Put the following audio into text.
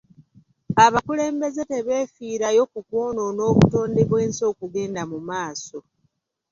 Abakulembeze tebeefiirayo ku kwonoona obutonde bw'ensi okugenda mu maaso.